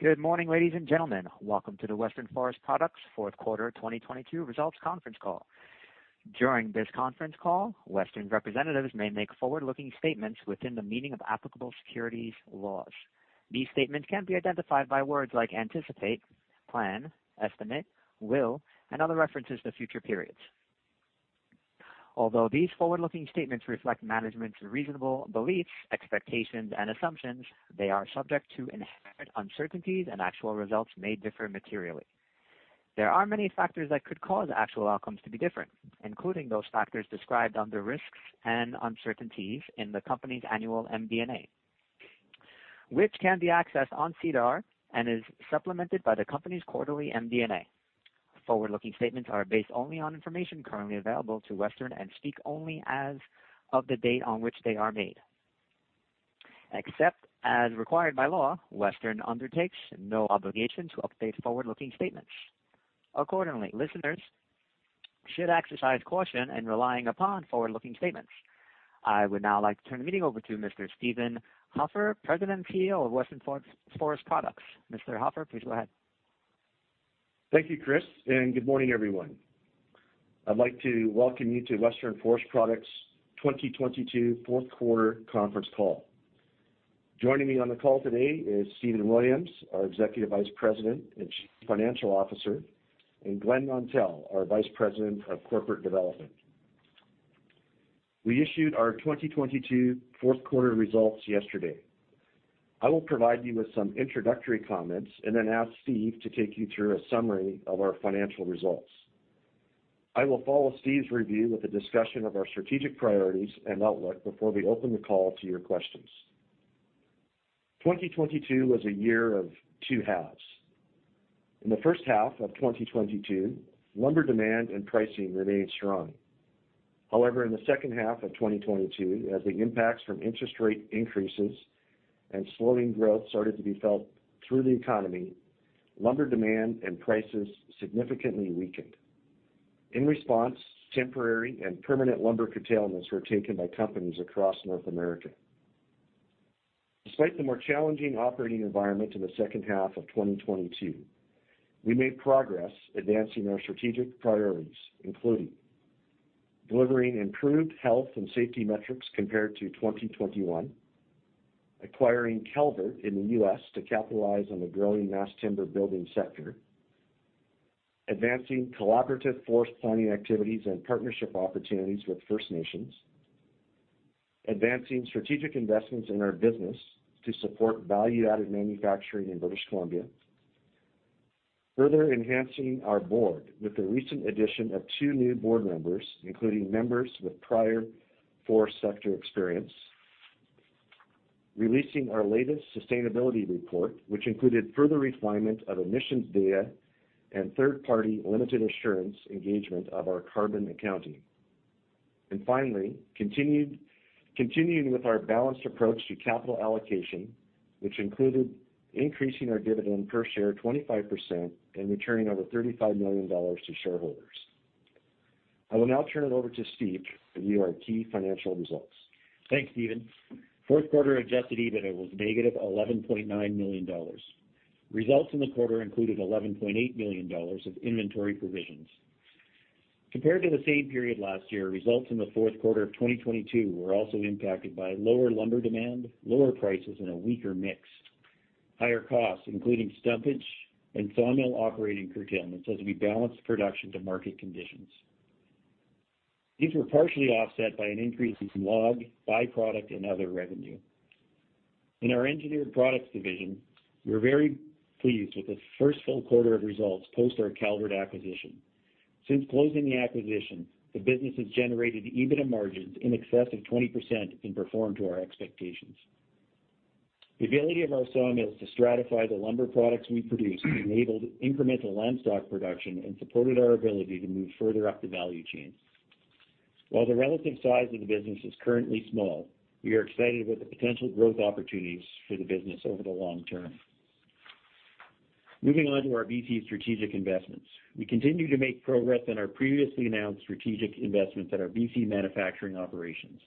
Good morning, ladies and gentlemen. Welcome to the Western Forest Products Q4 2022 Results Conference Call. During this conference call, Western representatives may make forward-looking statements within the meaning of applicable securities laws. These statements can be identified by words like anticipate, plan, estimate, will, and other references to future periods. Although these forward-looking statements reflect management's reasonable beliefs, expectations, and assumptions, they are subject to inherent uncertainties, and actual results may differ materially. There are many factors that could cause actual outcomes to be different, including those factors described under risks and uncertainties in the company's annual MD&A, which can be accessed on SEDAR and is supplemented by the company's quarterly MD&A. Forward-looking statements are based only on information currently available to Western and speak only as of the date on which they are made. Except as required by law, Western undertakes no obligation to update forward-looking statements. Accordingly, listeners should exercise caution in relying upon forward-looking statements. I would now like to turn the meeting over to Mr. Steven Hofer, President and CEO of Western Forest Products. Mr. Hofer, please go ahead. Thank you, Chris. Good morning, everyone. I'd like to welcome you to Western Forest Products 2022 Q4 conference call. Joining me on the call today is Stephen Williams, our Executive Vice President and Chief Financial Officer, and Glen Nontell, our Vice President of Corporate Development. We issued our 2022 Q4 results yesterday. I will provide you with some introductory comments and then ask Steve to take you through a summary of our financial results. I will follow Steve's review with a discussion of our strategic priorities and outlook before we open the call to your questions. 2022 was a year of two halves. In the first half of 2022, lumber demand and pricing remained strong. In the second half of 2022, as the impacts from interest rate increases and slowing growth started to be felt through the economy, lumber demand and prices significantly weakened. In response, temporary and permanent lumber curtailments were taken by companies across North America. Despite the more challenging operating environment in the second half of 2022, we made progress advancing our strategic priorities, including delivering improved health and safety metrics compared to 2021, acquiring Calvert in the US to capitalize on the growing mass timber building sector, advancing collaborative forest planning activities and partnership opportunities with First Nations, advancing strategic investments in our business to support value-added manufacturing in British Columbia, further enhancing our board with the recent addition of two new board members, including members with prior forest sector experience, releasing our latest sustainability report, which included further refinement of emissions data and third-party limited assurance engagement of our carbon accounting. Finally, continuing with our balanced approach to capital allocation, which included increasing our dividend per share 25% and returning over 35 million dollars to shareholders. I will now turn it over to Steph to review our key financial results. Thanks, Steven. Q4 adjusted EBITDA was negative 11.9 million dollars. Results in the quarter included 11.8 million dollars of inventory provisions. Compared to the same period last year, results in the Q4 of 2022 were also impacted by lower lumber demand, lower prices and a weaker mix, higher costs, including stumpage and sawmill operating curtailments as we balanced production to market conditions. These were partially offset by an increase in log, byproduct and other revenue. In our engineered products division, we're very pleased with the first full quarter of results post our Calvert acquisition. Since closing the acquisition, the business has generated EBITDA margins in excess of 20% and performed to our expectations. The ability of our sawmills to stratify the lumber products we produce enabled incremental Lamstock production and supported our ability to move further up the value chain. While the relative size of the business is currently small, we are excited about the potential growth opportunities for the business over the long term. Moving on to our BC strategic investments. We continue to make progress on our previously announced strategic investments at our BC manufacturing operations.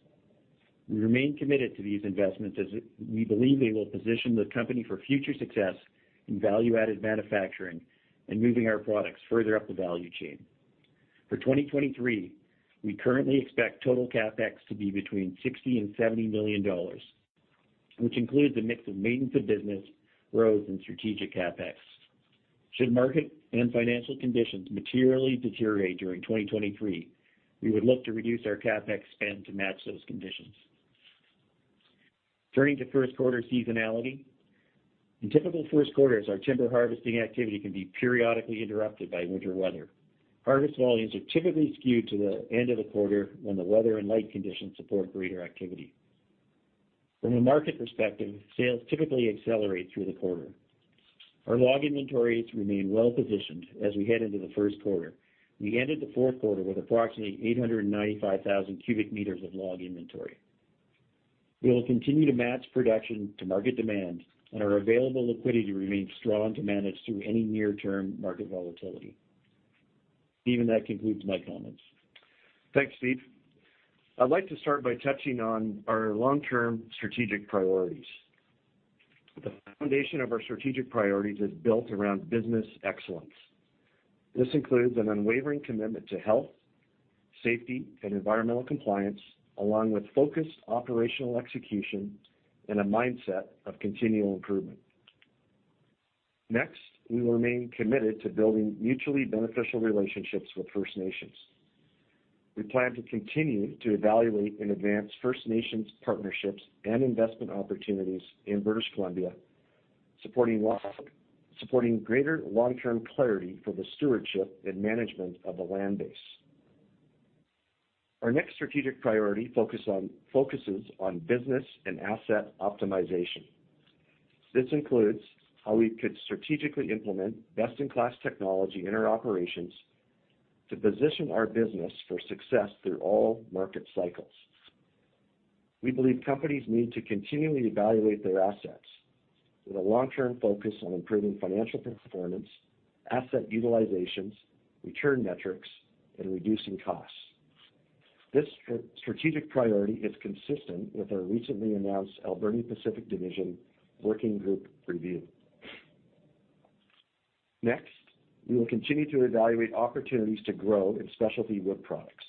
We remain committed to these investments as we believe they will position the company for future success in value-added manufacturing and moving our products further up the value chain. For 2023, we currently expect total CapEx to be between 60 million and 70 million dollars, which includes a mix of maintenance of business, growth, and strategic CapEx. Should market and financial conditions materially deteriorate during 2023, we would look to reduce our CapEx spend to match those conditions. Turning to Q1 seasonality. In typical Q1, our timber harvesting activity can be periodically interrupted by winter weather. Harvest volumes are typically skewed to the end of the quarter when the weather and light conditions support greater activity. From a market perspective, sales typically accelerate through the quarter. Our log inventories remain well-positioned as we head into the Q1. We ended the Q4 with approximately 895,000 cubic meters of log inventory. We will continue to match production to market demand, and our available liquidity remains strong to manage through any near-term market volatility. Steven that concludes my comments. Thanks, Steph. I'd like to start by touching on our long-term strategic priorities. The foundation of our strategic priorities is built around business excellence. This includes an unwavering commitment to health, safety, and environmental compliance, along with focused operational execution and a mindset of continual improvement. We remain committed to building mutually beneficial relationships with First Nations. We plan to continue to evaluate and advance First Nations partnerships and investment opportunities in British Columbia, supporting greater long-term clarity for the stewardship and management of the land base. Our next strategic priority focuses on business and asset optimization. This includes how we could strategically implement best-in-class technology in our operations to position our business for success through all market cycles. We believe companies need to continually evaluate their assets with a long-term focus on improving financial performance, asset utilizations, return metrics, and reducing costs. This strategic priority is consistent with our recently announced Alberni Pacific Division Working Group review. Next, we will continue to evaluate opportunities to grow in specialty wood products,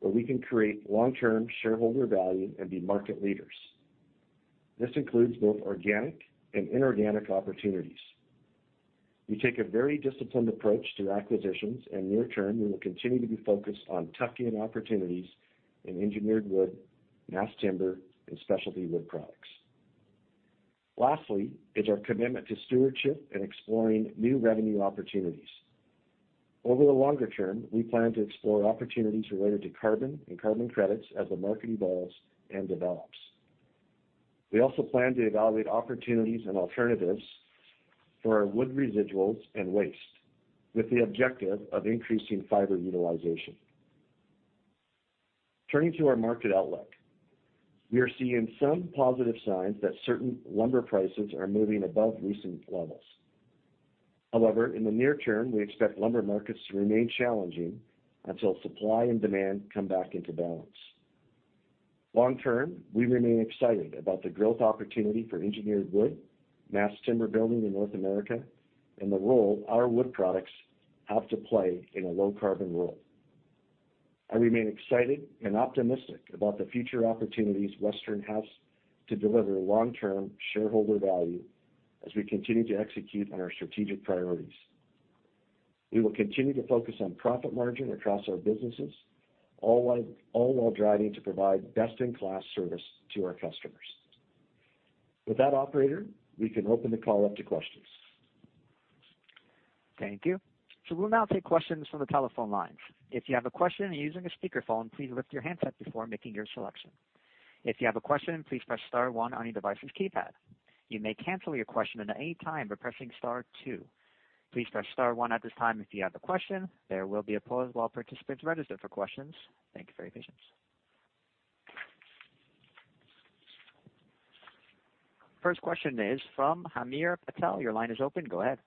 where we can create long-term shareholder value and be market leaders. This includes both organic and inorganic opportunities. We take a very disciplined approach to acquisitions, and near term, we will continue to be focused on tuck-in opportunities in engineered wood, mass timber, and specialty wood products. Lastly is our commitment to stewardship and exploring new revenue opportunities. Over the longer term, we plan to explore opportunities related to carbon and carbon credits as the market evolves and develops. We also plan to evaluate opportunities and alternatives for our wood residuals and waste, with the objective of increasing fiber utilization. Turning to our market outlook, we are seeing some positive signs that certain lumber prices are moving above recent levels. However, in the near term, we expect lumber markets to remain challenging until supply and demand come back into balance. Long term, we remain excited about the growth opportunity for engineered wood mass timber building in North America and the role our wood products have to play in a low carbon world. I remain excited and optimistic about the future opportunities Western has to deliver long-term shareholder value as we continue to execute on our strategic priorities. We will continue to focus on profit margin across our businesses, all while driving to provide best-in-class service to our customers. With that, operator, we can open the call up to questions. Thank you. First question is from Amir Patel. Your line is open. Go ahead.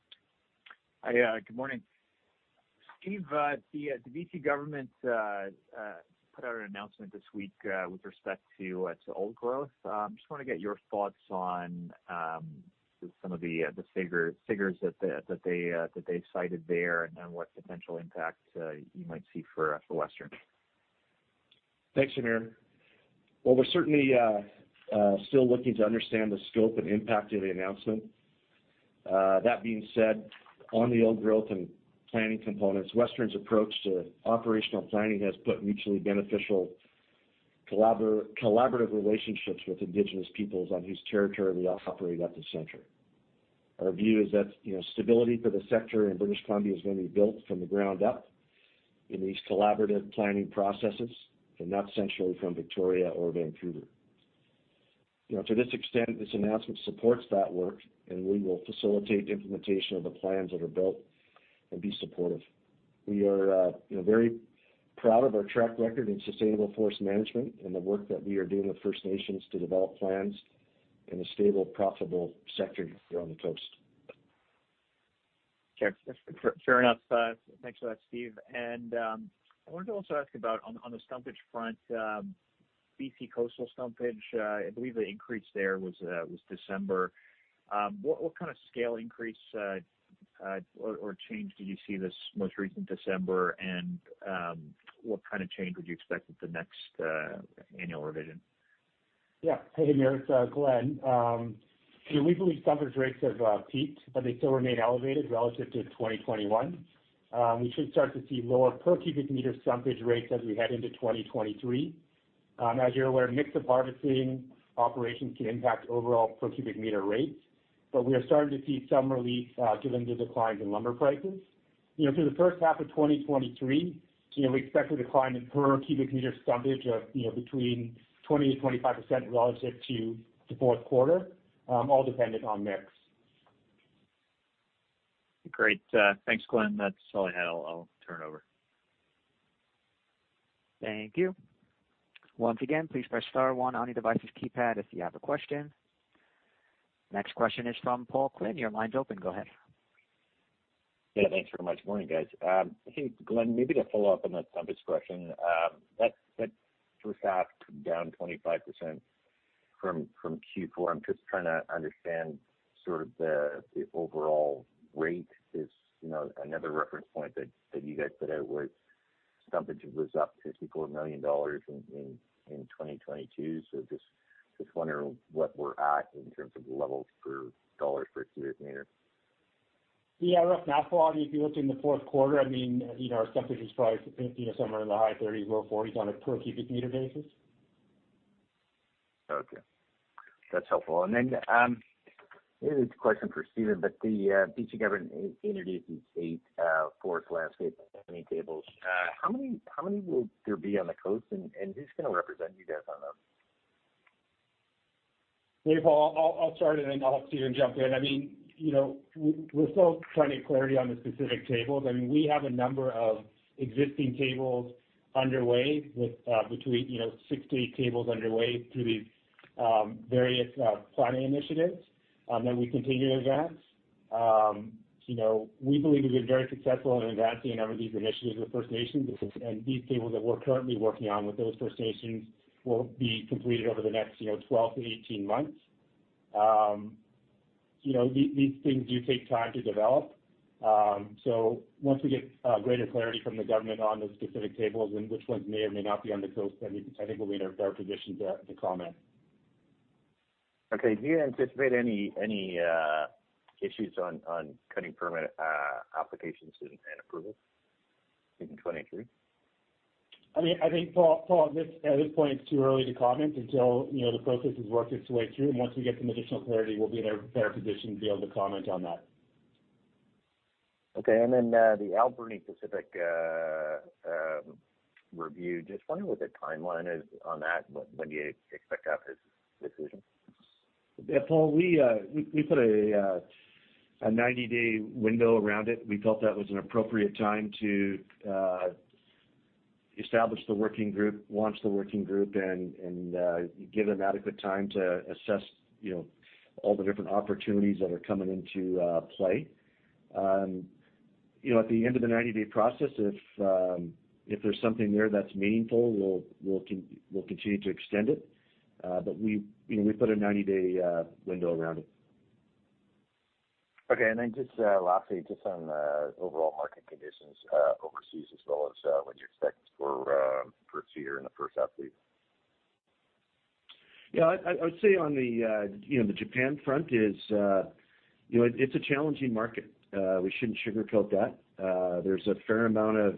Hi. Good morning, Steve, the BC government put out an announcement this week with respect to its old growth. Just wanna get your thoughts on some of the figures that they've cited there and what potential impact you might see for Western? Thanks, Amir. Well, we're certainly still looking to understand the scope and impact of the announcement. That being said, on the old growth and planning components, Western's approach to operational planning has put mutually beneficial collaborative relationships with Indigenous peoples on whose territory we operate at the center. Our view is that, you know, stability for the sector in British Columbia is gonna be built from the ground up in these collaborative planning processes and not centrally from Victoria or Vancouver. You know, to this extent, this announcement supports that work, and we will facilitate implementation of the plans that are built and be supportive. We are, you know, very proud of our track record in sustainable forest management and the work that we are doing with First Nations to develop plans in a stable, profitable sector here on the coast. Sure. Fair enough. Thanks for that, Steve. I wanted to also ask about on the frontage stumpage front, BC coastal frontage stumpage, I believe the increase there was December. What kind of scale increase or change did you see this most recent December? What kind of change would you expect at the next annual revision? Yeah. Hey, Amir. It's Glen. We believe frontage stumpage rates have peaked, but they still remain elevated relative to 2021. We should start to see lower per cubic meter frontage stumpage rates as we head into 2023. As you're aware, mix of harvesting operations can impact overall per cubic meter rates, but we are starting to see some relief given the decline in lumber prices. You know, through the first half of 2023, you know, we expect the decline in per cubic meter frontage stumpage of, you know, between 20%-25% relative to the Q4, all dependent on mix. Great. thanks, Glen. That's all I had. I'll turn it over. Thank you. Next question is from Paul Quinn. Your line's open. Go ahead. Yeah, thanks very much. Morning, guys. Hey, Glen, maybe to follow up on that stumpage question. That was down 25% from Q4 I'm just trying to understand sort of the overall rate is, you know, another reference point that you guys put out was stumpage was up to 54 million dollars in 2022. Just wondering what we're at in terms of levels per dollar per cubic meter? Yeah, rough math on it, if you look in the Q4, I mean, you know, our stumpage was probably, you know, somewhere in the high thirties, low forties on a per cubic meter basis. Okay. That's helpful. This is a question for Steven, the BC government introduced these eight Forest Landscape Planning tables. How many will there be on the coast and who's gonna represent you guys on them? Yeah, Paul, I'll start and then I'll let Steven jump in. I mean, you know, we're still trying to get clarity on the specific tables. I mean, we have a number of existing tables underway with between, you know, six to eight tables underway through these various planning initiatives that we continue to advance. You know, we believe we've been very successful in advancing on these initiatives with First Nations. These tables that we're currently working on with those First Nations will be completed over the next, you know, 12-18 months. You know, these things do take time to develop. Once we get greater clarity from the government on the specific tables and which ones may or may not be on the coast, then I think we'll be in a better position to comment. Okay. Do you anticipate any issues on cutting permit, applications and approvals in 2023? I mean, I think, Paul, at this point, it's too early to comment until, you know, the process has worked its way through. Once we get some additional clarity, we'll be in a better position to be able to comment on that. Okay. The Alberni specific review, just wondering what the timeline is on that. When do you expect out this decision? Yeah, Paul, we put a 90-day window around it. We felt that was an appropriate time to establish the working group, launch the working group, and give them adequate time to assess, you know, all the different opportunities that are coming into play. You know, at the end of the 90-day process, if there's something there that's meaningful, we'll continue to extend it. We, you know, we put a 90-day window around it. Okay. Just lastly, just on overall market conditions overseas as well as what you expect for this year in the first half, please. Yeah, I would say on the, you know, the Japan front is, you know, it's a challenging market. We shouldn't sugarcoat that. There's a fair amount of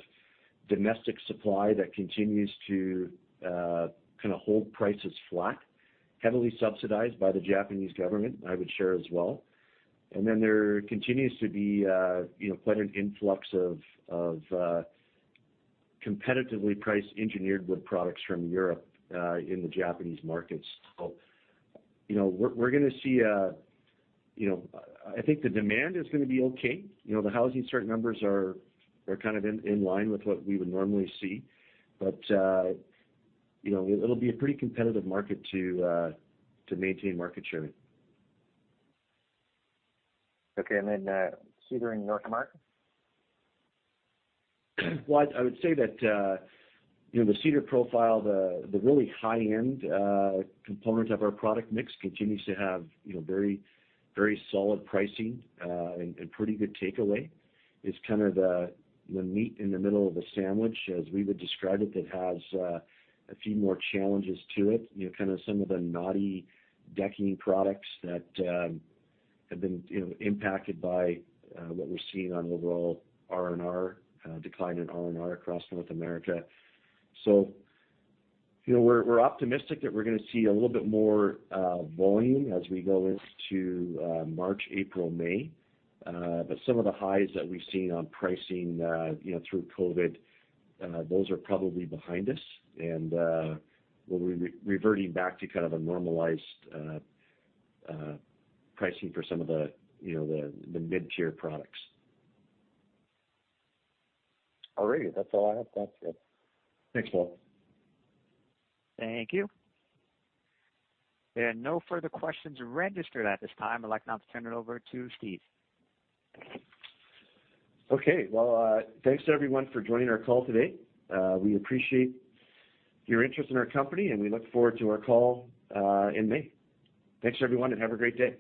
domestic supply that continues to kind of hold prices flat, heavily subsidized by the Japanese government, I would share as well. There continues to be, you know, quite an influx of competitively priced engineered wood products from Europe in the Japanese markets. You know, we're gonna see, you know, I think the demand is gonna be okay. You know, the housing start numbers are kind of in line with what we would normally see. You know, it'll be a pretty competitive market to maintain market share. Okay. Cedar in North America. Well, I would say that, you know, the cedar profile, the really high-end component of our product mix continues to have, you know, very, very solid pricing, and pretty good takeaway. It's kind of the meat in the middle of the sandwich, as we would describe it, that has a few more challenges to it. You know, kind of some of the knotty decking products that have been, you know, impacted by what we're seeing on overall RNR, decline in RNR across North America. You know, we're optimistic that we're gonna see a little bit more volume as we go into March, April, May. Some of the highs that we've seen on pricing, you know, through COVID, those are probably behind us. We'll be reverting back to kind of a normalized pricing for some of the, you know, the mid-tier products. All right. That's all I have. Thanks, guys. Thanks, Paul. Thank you. There are no further questions registered at this time. I'd like now to turn it over to Steve. Okay. Well, thanks everyone for joining our call today. We appreciate your interest in our company, and we look forward to our call in May. Thanks everyone. Have a great day.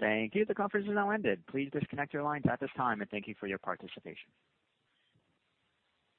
Thank you. The conference is now ended. Please disconnect your lines at this time, and thank you for your participation.